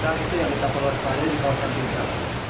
sekarang itu yang kita perlu waspada di kawasan tinggi